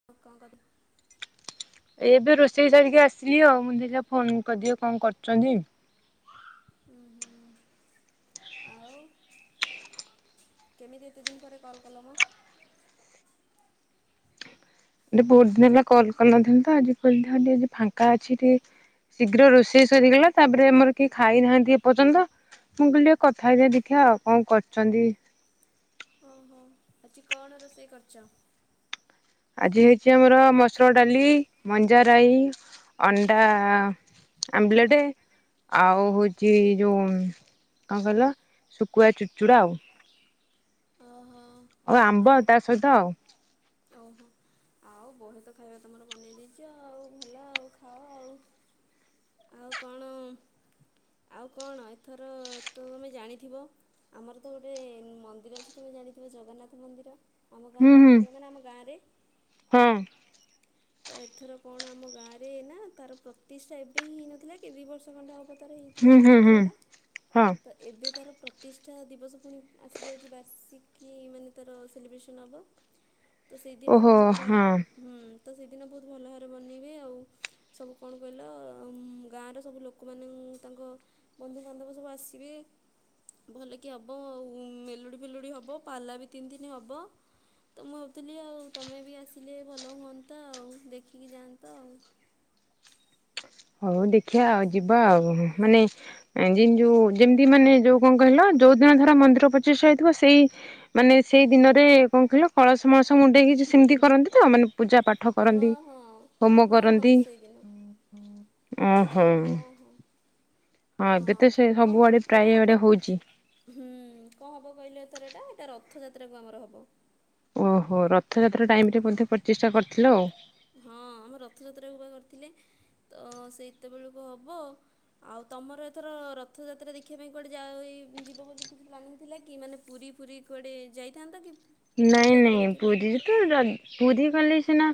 [unintelligible] ଏ ଏବେ ରୋଷେଇ ସାରିକି ଆସିଲି ଆଉ ମୁଁ ଦେଇଟା ଫୋନ୍ କରିଦିଅ କଣ କରୁଛନ୍ତି? ହୁଁ ହୁଁ, ଆଉ? କେମିତି ଏତେ ଦିନ ପରେ କଲ କଲମ? ଟିକେ ବହୁତ ଦିନ ହେଲା କଲ କରିନଥିଲି ତ ଆଜି କହିଲି ହଁ, ଟିକେ ଫାଙ୍କା ଅଛି ଟିକେ ଶୀଘ୍ର ରୋଷେଇ ସରିଗଲା ତାପରେ ଆମର କିଏ ଖାଇନାହାନ୍ତି ଏପର୍ଯ୍ୟନ୍ତ ମୁଁ କହିଲି ଆଉ କଥା ହେଇକି ଦେଖିଆ ଆଉ କଣ କରୁଛନ୍ତି? ଓହୋ ଆଜି କଣ ରୋଷେଇ କରିଛ? ଆଜି ହେଇଛି ଆମର ମସୁର ଡାଲି, ମଞ୍ଜା ରାଇ ଅଣ୍ଡା ଆମ୍ଲଲେଟ୍ ଆଉ ହଉଛି ଯେଉଁ କଣ କହିଲ ଶୁଖୁଆ ଚୁଡ଼ଚୁଡ଼ା ଆଉ। ଓହୋ ଆଉ ଆମ୍ବ ତା ସହିତ ଆଉ। ଓହୋ ଆଉ ବହେତ ଖାଇବା ତମର ବନେଇ ଦେଇଛ ଆଉ ଭଲ ଆଉ, ଖାଅ ଆଉ। ଆଉ କଣ, ଆଉ କଣ ଏଥର ତ ତମେ ଜାଣିଥିବ? ଆମର ତ ଗୋଟେ ମନ୍ଦିର ଅଛି ତୁମେ ଜାଣିଥିବ ଜଗନ୍ନାଥ ମନ୍ଦିର। ଆମ ଗାଁ ହୁଁ ହୁଁ ପାଖରେ ମାନେ ଆମ ଗାଁରେ। ହଁ ତ ଏଥର କଣ ଆମ ଗାଁ ରେ ନା ତାର ପ୍ରତିଷ୍ଠା ଏବେ ହିଁ ହେଇନଥିଲା କି ଦି ବର୍ଷ ଖଣ୍ଡେ ହବ [unintelligible] ହେଇଥିଲା ହୁଁ ହୁଁ ହୁଁ ମନ୍ଦିରଟା ହଁ। ତ ଏବେ ତାର ପ୍ରତିଷ୍ଠା ଦିବସ ପୁଣି ଆସିଯାଉଛି ବାର୍ଷିକୀ ମାନେ ତାର ସେଲିବ୍ରେସନ୍ ହେବ। ତ ସେଇଦିନ ଓହୋ ବହୁତ ହଁ ଭଲ ହୁଁ ତ ସେଇଦିନ ବହୁତ ଭଲ ଭାବରେ ବନେଇବେ ଆଉ। ସବୁ କଣ କହିଲ ଗାଁର ସବୁ ଲୋକମାନଙ୍କୁ ତାଙ୍କ ବନ୍ଧୁବାନ୍ଧବ ସବୁ ଆସିବେ, ଭଲକି ହବ ଆଉ ମେଲୋଡି ଫେଲୋଡ଼ି ହେବ ପାଲା ବି ତିନି ଦିନ ହେବ ତ ମୁଁ ହେଉଥିଲି ଆଉ ତମେ ବି ଆସିଲେ ଭଲ ହୁଅନ୍ତା ଆଉ ଦେଖିକି ଯାଆନ୍ତି ଆଉ। ହଉ ଦେଖିବା ଆଉ ଯିବା ଆଉ ମାନେ ଯୋଉ ଯେମିତି ମାନେ ଯୋଉ କଣ କହିଲ ଯୋଉ ଦିନ ଧର ମନ୍ଦିର ପ୍ରତିଷ୍ଠା ହେଇଥିବ ସେଇ ମାନେ ସେଇ ଦିନରେ କଣ କହିଲ କଳସ ମଳସ ମୁଣ୍ଡେଇକି ସେମିତି କରନ୍ତି ତ ମାନେ ପୂଜା ପାଠ କରନ୍ତି, ହୋମ କରନ୍ତି [unintelligible] ହଉ ଓହୋ ହଉ, ଏବେ ତ ହଁ ସେ କଣ କ ସବୁଆଡେ ପ୍ରାୟ ଏଇଟା ଆଡେ ହବ? ହଉଛି। ହୁଁ କଣ ହେବ କହିଲ ଏଥର ଏଟା, ଏଇଟା ରଥଯାତ୍ରାକୁ ଆମର ହେବ। ଓହୋ ରଥଯାତ୍ରା ଟାଇମରେ ମଧ୍ୟ ପ୍ରତିଷ୍ଟା କରିଥିଲ ଆଉ। ହଁ ଆମ ରଥଯାତ୍ରାବା କରିଥିଲେ ତ ସେତେବେଳକୁ ହେବ। ଆଉ ତମର ଏଥର ରଥଯାତ୍ରା ଦେଖିବା ପାଇଁ କୁଆଡ଼େ ଯାଇ ଯିବ ବୋଲି କିଛି ପ୍ଲାନିଂ ଥିଲା କି ମାନେ ପୁରୀ ପୁରୀ କୁଆଡ଼େ ଯାଇଥାନ୍ତ କି? ନାଇଁ ରଥଯାତ୍ରା ନାଇଁ ଦେଖିବା ପାଇଁ? ପୁରୀରେ ପୁରୀ ମାନେ ସିନା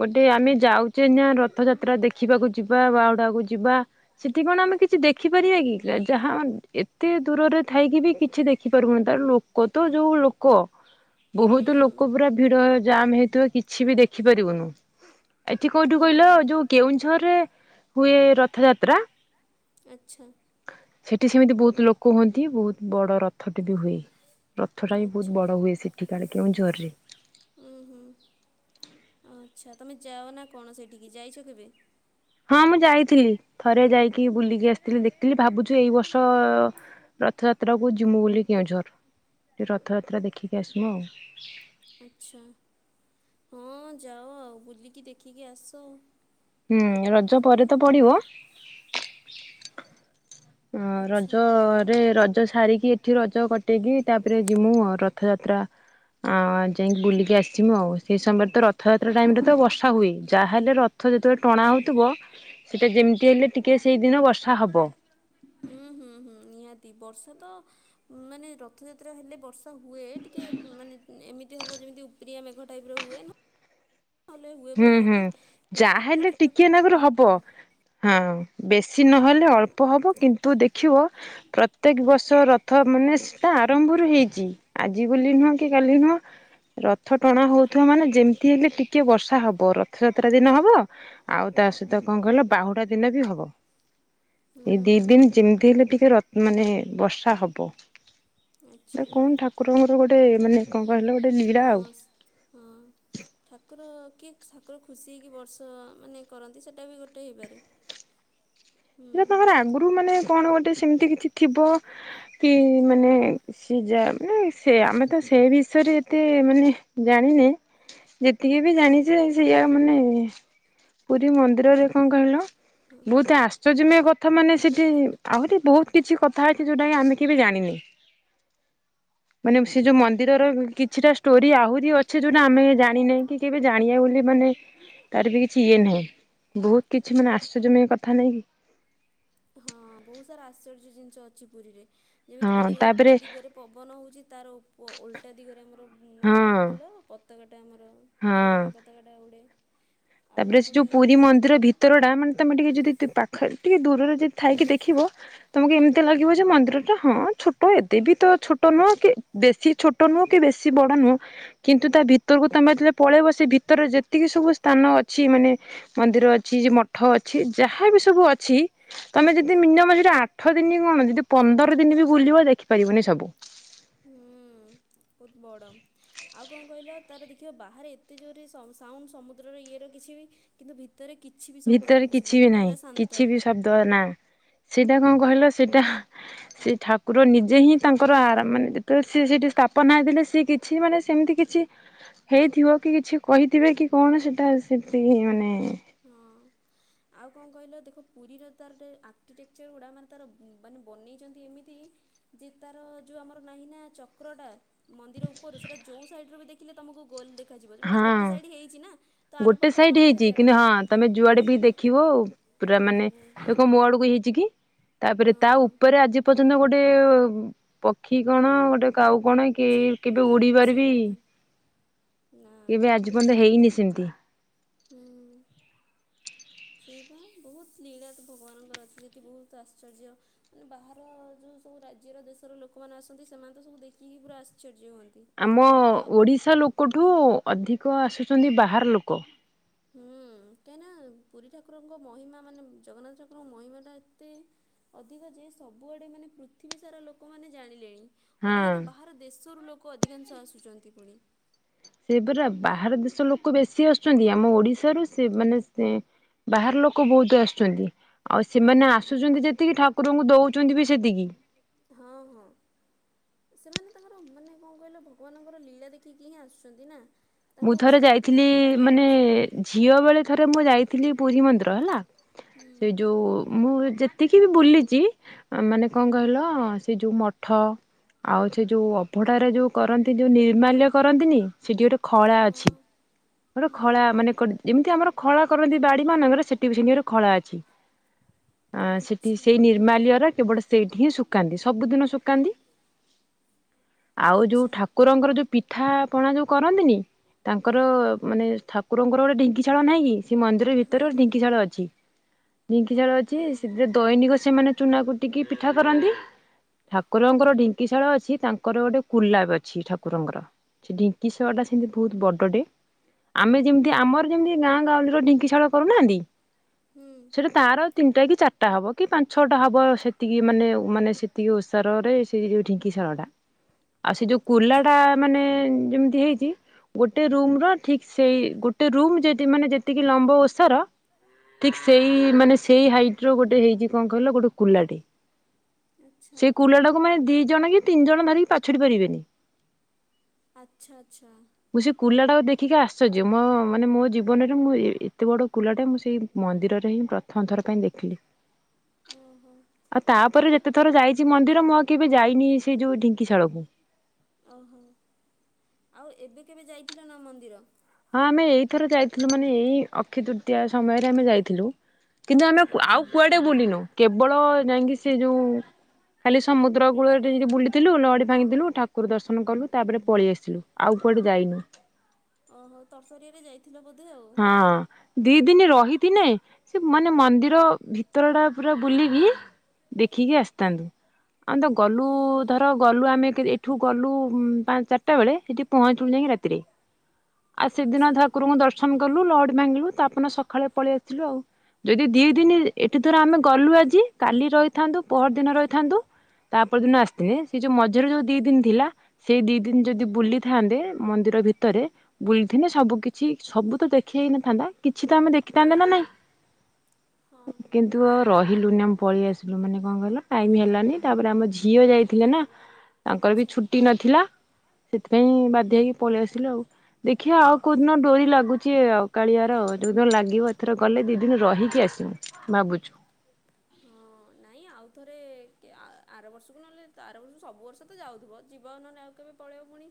ଗୋଟେ ଆମେ ଯାଉଛେ ନା ରଥଯାତ୍ରା ଦେଖିବାକୁ ଯିବା ବାହୁଡାକୁ ଯିବା। ସେଠି କଣ ଆମେ କିଛି ଦେଖିପାରିବା କି ଯାହା ଏତେ ଦୂରରେ ଥାଇକି ବି କିଛି ଦେଖିପାରିବନି ତ କତ ଯୋଉ ଲୋକ ବହୁତ ହୁଁ ଲୋକ ପୁରା ଭିଡ ଜାମ୍ ହେଇଥିବ କିଛି ବି ଦେଖିପାରିବୁନୁ। ଏଠି କୋଉଠୁ କହିଲ ହୁଁ ଯୋଉ କେଉଁଝରରେ ହୁଏ ରଥଯାତ୍ରା। ଆଚ୍ଛା ସେଠି ସେମିତି ବହୁତ ଲୋକ ହୁଅନ୍ତି ବହୁତ ବଡ ରଥଟେ ବି ହୁଏ। ରଥଟା ବି ବହୁତ ଆଚ୍ଛା ବଡ ହୁଏ ସେଠି କାଳେ କେଉଝରରେ ହୁ ହୁଁ ଆଚ୍ଛା ତୁମେ ଯାଅ ନା କଣ ସେଇଠିକି ଯାଇଛ କେବେ? ହଁ ମୁଁ ଯାଇଥିଲି ଥରେ ଯାଇକି ବୁଲିକି ଆସିଥିଲି ଦେଖିଥିଲି ଭାବୁଛିୁ ଏଇ ବର୍ଷ ରଥଯାତ୍ରା କୁ ଯିମୁ ବୋଲି କେଉଁଝର ଟିକେ ରଥଯାତ୍ରା ଦେଖିକି ଆସିବୁ ଆଉ ଆଛା ହଁ ଯାଅ ଆଉ ବୁଲିକି ଦେଖିକି ଆସ। ହୁଁ ରଜ ପରେ ତ ପଡିବ ହ ଆଚ୍ଛା ରଜରେ ରଜ ସାରିକି ଏଠି ରଜ କଟେଇକି ତାପରେ ଜିମୁ ରଥଯାତ୍ରା ଆଉ ଆଉ ଯାଇକି ବୁଲିକି ଆସିମୁ ଆଉ ସେ ସମୟରେ ତ ରଥଯାତ୍ରା ଟାଇମରେ ତ ବର୍ଷା ହୁଏ ଯାହାହେଲେ ର ରଥ ଯେତେବେଳେ ଟଣା ହେଉଥିବ ସେଇଟା ଯେମିତି ହେଲେ ଟିକିେ ସେଇଦିନ ବର୍ଷା ହବ ହୁଁ ହୁଁ ହୁଁ ନିହାତି ବର୍ଷା ତ ମାନେ ରଥଯାତ୍ରା ହେଲେ ବର୍ଷା ହୁଏ ଟିକେ ମାନେ ଏମିତି ହବ ଯେମିତି ସ୍ତିଆ ମେଘ ଟାଇପ ର ହୁଏ ନା ହୁଏ ହୁଁ ଭଲ ହୁଁ କି କି ଯାହାହେଲେ ଟିକେ ଯାତ୍ରାାକୁ ନାକୁରୁ ହବ। ହଁ ବେଶୀ ନହେଲେ ଅଳ୍ପ ହବ କିନ୍ତୁ ଦେଖିବ ପ୍ରତ୍ୟେକ ବର୍ଷ ରଥ ମାନେ ସେଟା ଆରମ୍ଭରୁ ହେଇଛି ଆଜି ବୋଲି ନୁହଁ କି କାଲି ନୁହଁ ରଥ ଟଣା ହଉଥିବା ମାନେ ଯେମିତି ହେଲେ ଟିକେ ବର୍ଷା କଥା ହବ ରଥଯାତ୍ରା ଦିନ ହବ ଆଉ ତା ସହିତ କଣ କହିଲ ବାହୁଡା ଦିନ ବି ହବ। ଏଇ ଦି ଦିନ ହୁଁ ଯେମିତି ହେଲେ ଟିକେ ମାନେ ବର୍ଷା ହବ ଏ ଆଚ୍ଛା କଣ ଠାକୁରଙ୍କର ଗୋଟେ ମାନେ କଣ କହିଲା ଗୋଟେ ଲୀଳା ଆଉ ହ। ହଁ। ଠାକୁର କିଏ ଠାକୁର ଖୁସି ହେଇକି ବର୍ଷ ମାନେ କରନ୍ତି ସେଇଟା ବି ଗୋଟେ ହେଇପାରେ ସେଟା ତାଙ୍କର ଆଗରୁ ମାନେ କଣ ଗୋଟେ ସେମିତି କିଛି ଥିବ କି ମାନେ ସି ଯା ମାନେ ସେ ଆମେ ତ ସେଇ ବିଷୟରେ ଏତେ ମାନେ ଜାଣିନେ ଯେତିକି ବି ଜାଣିଛେ ସେଇଆା ମାନେ ପୁରୀ ମନ୍ଦିରରେ କଣ କହିଲ ହୁଁ ବହୁତ ଆସ ଆଶ୍ଚର୍ଯ୍ୟ ମଧ୍ୟ କଥା ମାନେ ସେଠି ଆହୁରି ବହୁତ କିଛି କଥା ଅଛି ଯୋଉଟା କି ଆମେ କେବେ ଜାଣିନେ ଆ ମାନେ ସେ ଯୋଉ ମନ୍ଦିରର କିଛିଟା ଷ୍ଟୋରି ଆହୁରି ଅଛି ଯୋଉଟା ଆମେ ଜାଣିନାହିଁ କି କେବେ ଜାଣିବା ବୋଲି ମାନେ ତାର ବି କିଛି ଇଏ ନାହିଁ ବହୁତ କିଛି ମାନେ ଆଶ୍ଚର୍ଯ୍ୟ ମୟ କଥା ନାଇକି? ହଁ ବହୁତ ସାରା ଆଶ୍ଚର୍ଯ୍ୟ ଜିନିଷ ଅଛି ପୁରୀରେ ଯେମିତିକି ହଁ ତାପରେ ଯେଉଁ ଦିଗରେ ପବନ ହେଉଛି ତା ର ଓଲଟା ଦିଗରେ ଆମର ମାନେ ହଁ କଣ କହିଲ? ପତାକାଟା ଆମର ହଁ। ତ୍ରିରଙ୍ଗା ପତାକାଟା ଉଡ଼େ ଆଉ ତାପରେ ସେ ପୁଣି ଯୋଉ ପୁରୀ ମନ୍ଦିର ଭିତର ଟା ମାନେ ତମେ ଟିକେ ଯଦି ପାଖରେ ଟିକେ ଦୂରରେ ଯଦି ଥାଇକି ଦେଖିବ ତମକୁ ଏମିତି ଲାଗିବ ଯେ ମନ୍ଦିର ଟା ହଁ ଛୋଟ ଏତେ ବି ତ ଛୋଟ ନୁହଁ କି ବେଶୀ ଛୋଟ ନୁହଁ କି ବେଶୀ ବଡ ନୁହଁ କିନ୍ତୁ ତା ଭିତରକୁ ତମେ ଯେତେବେଳେ ପଳେଇବ ସେ ଭିତରରେ ଯେତିକି ସବୁ ସ୍ଥାନ ଅ ଅଛି ମାନେ ମନ୍ଦିର ଅଛି ମଠ ଅଛି ଯାହା ବି ସବୁ ଅଛି ତମେ ଯଦି ମିନିମମ୍ ସେଠି ଆଠ ଦିନ କଣ ଯଦି ପନ୍ଦର ଦିନ ବି ବୁଲିବ ଦେଖିପାରିବନି ସବୁ ହୁଁ ବହୁତ ବଡ଼ ଆଉ କଣ କହିଲ ତାର ଦେଖିବ ବାହାରେ ଏତେ ଜୋରରେ ସାଉଣ୍ଡ ସମୁଦ୍ରର ଇଏ ର କିଛି ବି କିନ୍ତୁ ଭିତରେ କିଛି ବି ଶବ୍ଦ ତୁମକୁ ଶୁଭିବାନି ପୁରା ଶାନ୍ତ। ତ ନା ସେଇଟା କଣ କହିଲ ସେଇଟା। ସେ ଠାକୁର ନିଜେ ହିଁ ତାଙ୍କର ଆର ମାନେ ଯେତେବେଳେ ସି ସେଇଠି ସ୍ଥାପନା ହେଇଥିଲେ ସିଏ କି କିଛି ମାନେ ସେମିତି କିଛି। ହେଇଥିବ କି କିଛି କହିଥିବେ କି କଣ ସେଟା ସେ ମାନେ। ହଁ ଆଉ କଣ କହିଲ ଦେଖ ପୁରୀର ତାର ଆର୍କିଟେକ୍ଚର ଗୁଡ଼ା ମାନେ ତାର ମାନେ ବନେଇଛନ୍ତି ଏମିତି। ଯେ ତାର ଯୋଉ ଆମର ନାହିଁ ନା ଚକ୍ର ଟା। ମନ୍ଦିର ଉପରୁ ସେଇଟା ଯୋଉ ସାଇଡୁ ରୁ ବି ଦେଖିଲେ ତମକୁ ଗୋଲ ଦେଖାଯିବ ଯେମିତି ହଁ ଗୋଟେ ସାଇଡ ହେଇଛି ନା। ତ ଗୋଟେ ଆରପଟଟା କଣ ସାଇଡ ହେଇଛି ଦେଖାଯିବା କିନ୍ତୁ କଥା ହଁ। ତମେ ଯୁଆଡେ ବି ଦେଖିବ ପୁରା ମାନେ ତୁମକୁ ତ କଣ ମୋ ଆଡକୁ ହେଇଛି କି। ତାପରେ ହଁ ତା ଉପରେ ଆଜି ପର୍ଯ୍ୟନ୍ତ ଗୋଟେ ପକ୍ଷୀ କଣ ଗୋଟେ କାଉ କଣ କି ଚି- କି କେବେ କିଛି ଉଡିିବାର ବି ଉଡ଼ି ନାହିଁ ନା କେବେ ଆଜି ପର୍ଯ୍ୟନ୍ତ ହେଇନି। [unintelligible] ହୁଁ। ସେଇବା ବହୁତ ଲୀଳା ତ ଭଗବାନଙ୍କର ଅଛି ସେଇଠି ବହୁତ ଆଶ୍ଚର୍ଯ୍ୟ। ମାନେ ବାହାର ଯେଉ ସବୁ ରାଜ୍ୟର ଦେଶର ଲୋକମାନେ ଆସନ୍ତି ସେମାନେ ତ ସବୁ ଦେଖିକି ପୁରା ଆଶ୍ଚର୍ଯ୍ୟ ହୁଅନ୍ତି। ଆମ ଆଉ ଓଡ଼ିଶା ଲୋକଠୁ ଅଧିକ ଆସୁଛନ୍ତି ବାହାର ଲୋକ। ହୁଁ କାହିଁକିନା ପୁରୀ ଠାକୁରଙ୍କ ମହିମା ମାନେ ଜଗନ୍ନାଥ ଠାକୁରଙ୍କ ମହିମା ଟା ଏତେ। ଅଧିକ ଯେ ସବୁଆଡ଼େ ମାନେ ପୃଥିବୀ ସାରା ଲୋକମାନେ ଜାଣିଲେଣି। ହଁ। ଅଧିକା ତ ବାହାର ଦେଶରୁ ଲୋକ ଅଧିକାଂଶ ଆସୁଛନ୍ତି ପୁଣି। ସେଇଆ ପରା ବାହାର ଦେଶ ଲୋକ ବେଶୀ ଆସୁଛନ୍ତି ଆମ ଓଡିଶାରୁ ସେ ମାନେ ସେ ବାହାର ଲୋକ ବହୁତ ଆସୁଛନ୍ତି। ଆଉ ହୁଁ ସେମାନେ ଆସୁଛନ୍ତି ଯେତିକି ଠାକୁରଙ୍କୁ ଦେଉଛନ୍ତି ବି ସେତିକି। ହଁ ହଁ। ସେମାନେ ତାଙ୍କର ମାନେ କଣ କହିଲ ଭଗବାନଙ୍କର ଲୀଳା ଦେଖିକି ହିଁ ଆସୁଛନ୍ତି ନା। ମୁଁ ତାଙ୍କୁ ଥରେ ସେଇ ଯାଇଥିଲି ଟାଣି ମାନେ ଆଣୁଛି ଝିଅ ବେଳେ ଥରେ ମୁଁ ଯାଇଥିଲି ପୁରୀ ମନ୍ଦିର ହେଲା ସେ ହୁଁ। ଯୋଉ। ମୁଁ ଯେତିକି ବି ବୁଲିଛି ମାନେ କଁ କହିଲ ସେ ଯୋଉ ମଠ। ଆଉ ସେ ଯୋଉ ଅଭଢାରେ ଯୋଉ କରନ୍ତି ଯୋଉ ନିର୍ମାଲ୍ୟ କରନ୍ତିନି ସେଠି ଗୋଟେ। ଖଳା ଅଛି। ଗୋଟେ ଖଳା ମାନେ କ ଯେମିତି ଆମର ଖଳା କରନ୍ତି ବାଡି ମାନଙ୍କରେ ସେଠି ସେମତି ଗୋଟେ ଖଳା ଅଛି। ଆଁ ‌ସେଠି ସେଇ ନିର୍ମାଲ୍ୟ ର କେବଳ ସେଇଠି ହିଁ ଶୁଖାନ୍ତି ସବୁଦିନ ଶୁଖାନ୍ତି ଆଉ ଯୋଉ ଠାକୁ କୁକୁରଙ୍କର ଯୋଉ ପିଠା ପଣା ଯୋଉ କରନ୍ତିନି ତାଙ୍କର ମାନେ ଥ ଠାକୁରଙ୍କ ର ଗୋଟେ ଢିଙ୍କି ଶାଳ ନାହିଁ କି ସେଇ ମନ୍ଦିର ଭିତରେ ଗୋଟେ ଢିଙ୍କିଶାଳ ଅଛି। ଢିଙ୍କି ଝାଳ ଅଛି ସେଥିରେ ଦୈନିକ ସେମାନେ ଚୁନା କୁଟିକି ପିଠା କରନ୍ତି। ଠାକୁରଙ୍କର ଢିଙ୍କିଶାଳ ଅଛି ତାଙ୍କର ଗୋଟେ କୁଲାବ ଅଛି ଠାକୁରଙ୍କର। ସେ ଢିଙ୍କି ଶାଳ ଟା ସେମତି ବହୁତ ବଡଟେ। ଆମେ ଯେମିତି ଆମର ଯେମିତି ଗାଁ ଗାଉଁଳିର ଢିଙ୍କିଶାଳ କରୁନାହାନ୍ତି। ହୁଁ। ସେଇଟା ତାର ତିନିଟା କି ଚାରିଟା ହବ କି ପାଞ୍ଚ ଛଅଟା ହବ ସେତିକି ମାନେ ମାନେ ସେତିକି ଓସ୍ ସାର ରେ ସେ ଯୋଉ ଢିଙ୍କି ଶାଳ ଟା ଆଉ ସେ ଯୋଉ କୁଲାଟା ମାନେ ଯେମିତି ହେଇଛି। ଗୋଟେ ରୁମ ର ଠିକ ସେଇ ଗୋଟେ ରୁମ୍ ଯେତି ମାନେ ଯେତିକି ଲମ୍ବ ଓଷାର। ଠିକ ସେଇ ମାନେ ସେଇ ହାଇଟ ର ଗୋଟେ ହେଇଛି କଣ କହିଲ ଗୋଟେ କୁଲାଟେ। ସେଇ କୁଲା ଟାକୁୁ ମାନେ ଦି ଜଣ କି ତିନି ଜଣ ଧରିକି ପାଛୁଡି ପାରିବେନି। ଆଚ୍ଛା ଆଚ୍ଛା। ମୁଁ ସେ କୁଲାଟାକୁ ଦେଖିକି ଆଶ୍ଚର୍ଯ୍ୟ ମୋ ମାନେ ମୋ ଜୀବନରେ ମୁଁ ଏ ଏତେ ବଡ଼ କୁଲାଟା ମୁଁ ସେଇ ମନ୍ଦିରରେ ହିଁ ପ୍ରଥମ ଥର ପାଇଁ ଦେଖିଲି। ଓ ହୋ। ଆଉ ତାପରେ ଯେତେ ଥର ଯାଇଛି ମନ୍ଦିର ମୁଁ ଆଉ କେବେ ଯାଇନି ସେଇ ଯୋଉ ଢିଙ୍କିଶାଳ କୁ। ଓହୋ ଆଉ ଏବେ କେବେ ଯାଇଥିଲ ନା ମନ୍ଦିର? ହଁ ଆମେ ଏଇଥର ଯାଇଥିଲୁ ମାନେ ଏଇ ଅକ୍ଷ ତୃତୀୟା ସମୟରେ ଆମେ ଯାଇଥିଲୁ। କିନ୍ତୁ ଆମେ କୁ ଆଉ ଆଚ୍ଛା କୁଆଡେ ବୁଲିନୁ କେବଳ ଯାଇଁକି ସେ ଯୋଉ ଖାଲି ସମୁଦ୍ର ପୁରୀ କୂଳରେ ଟିକେ ଯଦି ଠାକୁରଙ୍କ ବୁଲିଥିଲୁ ଲହଡି ଭାଙ୍ଗିଥିଲୁ ଠାକୁର ଦର୍ଶନ କଲୁ ତାପରେ ଦ- ପଳେଇ ଆସିଲୁ ଆଉ କୁଆଡେ ଯାଇନୁ ଓହୋ ତରତରିଆରେ ଯାଇଥିଲ ବୋଧେ ଆଉ। ହଁ ଦି ଦିନ ରହିଥିନେ ସେ ମାନେ ମନ୍ଦିର ଭିତର ଟା ପୁରା ବୁଲିବି ଦେଖିକି ଆସିଥାନ୍ତୁ। ଆମେ ତ ଗଲୁ ହୁଁ ଧର ଗଲୁ ଆମେ କେ ଏଠୁ ଗଲୁ ପାଞ୍ଚ ଚାରିଟା ବେଳେ ସେଠି ପହଞ୍ଚିଲୁ ଯାଇକ ରାତ ତିରେ ଆଉ ସେଦିନ ଆଚ୍ଛା ଠାକୁରୁଙ୍କୁ ଦର୍ଶ ସନ କଲୁ ଲହଡି ଭାଙ୍ଗିଲୁ ତାପରଦିନ ସକାଳେ ପଳେଇ ଆସିଲୁ ଆଉ। ଯଦି ଦି ଦିନ ଏଠି ଧର ଆମେ ଗଲୁ ଆଜି କାଲି ରହିଥାନ୍ତୁ ପହର ଦିନ ରହିଥାନ୍ତୁ ତାପରେ ଦିନ ଆସିଥିବେ ସେ ଯୋଉ ମଝିରେ ଯୋଉ ଦି ଦିନ ଥିଲା ସେଇ ଦି ଦିନ ଯଦି ବୁଲିଥାନ୍ତେ ମନ୍ଦିର ଭିତରେ ବୁଲଥିନେ ସବୁ କିଛି ସବୁ ତ ଦେଖି ହେଇ ନଥାନ୍ତା କିଛି ତ ଆମେ ଦେଖିଥାନ୍ତେ ନା ନାଇଁ କିନ୍ତୁ ହଁ ରହିଲୁନି ଆମେ ପଳେଇ ଆସିଲୁ ମାନେ କଣ କହିଲ ଟାଇମ୍ ହେଲାନି ତାପରେ ଆମ ହଁ ଝିଅ ଯାଇଥିଲେ ନା ତାଙ୍କର ବି ଆଚ୍ଛା ଛୁଟି ନ ଥିଲା ସେଥିପାଇଁ ବାଧ୍ୟ ହେଇକି ପଳେଇ ଆସିଲୁ ଆଉ ଦେଖିବା ଆଉ କୋଉ ଦିନ ଡୋରି ଲାଗୁଛି ଆଉ କାଳିଆ ଯୋଉଦିନ ଲାଗିବ ଏଥର ଗଲେ ଦିଇ ଦିନ ରହିକି ଆସିବୁ ଭାବୁଚୁ। ହଁ ନା ନାଇଁ ଆଉ ଥରେ ଆ କି ଆର ବର୍ଷକୁ ନହେଲେ ଆର ବର୍ଷକୁ ସବୁ ବର୍ଷ ତ ଯାଉଥିବ ଯିବା ନହେଲେ ଆଉ କେବେ ପଳେଇ ପୁଣି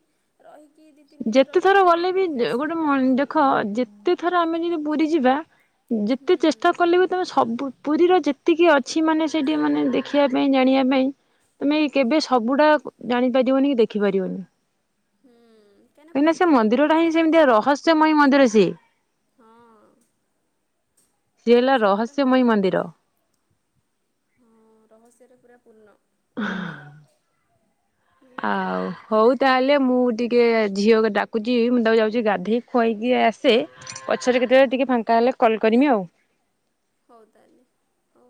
ରହିକି ଦି ଯେତେ ଥର ଗଲେ ବି ଯେ ଗୋଟେ ମ ଦେଖ ହୁଁ ହୁଁ ଯେତେ ଥର ଆମେ ଯଦି ପୁରୀ ଯିବା ହୁଁ ଯେତେ ଚେଷ୍ଟା କଲେବି ତମ ସବୁ ପୁରୀର ଯେତିକି ଅଛି ମାନେ ସେଇଠି ମାନେ ଦେଖିବା ପାଇଁ ଜାଣିବା ପାଇଁ ତମେ ଏ କେବେ ସବୁଟା ଜାଣିପାରିବନି କି ଦେଖିପାରିବନି। ହୁଁ କାହିଁକିନା ପୁରୀ ସେ ବହୁତ ମନ୍ଦିରଟା ବଡ଼ ହଁ ସେମିତି ରହସ୍ୟମୟୀ ମନ୍ଦିର ସିଏ। ହଁ। ସିଏ ହେଲା ସେଇ ପରା ରହସ୍ୟମୟୀ ମନ୍ଦିର। ହଁ ରହସ୍ୟରେ ପୁରା ପୂର୍ଣ୍ଣ। [inaudible] ହୁଁ ଆଉ ହଉ ତାହେଲେ ମୁଁ ଟିକେ ଝିଅ ଡାକୁଚି ମୁଁ ତାକୁ ଯାଉଚି ଗାଧୋଇ ଖୁଆଇକି ଆସେ ପଛରେ କେତେବେଳେ ଟିକେ ଫାଙ୍କା ହେଲେ କଲ୍ କରମି ଆଉ। ହଉ ତାହେଲେ ହଉ।